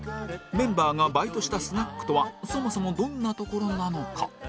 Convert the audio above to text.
メンバーがバイトしたスナックとはそもそもどんな所なのか？